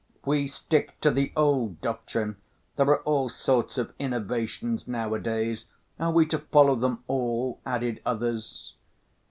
"We stick to the old doctrine, there are all sorts of innovations nowadays, are we to follow them all?" added others.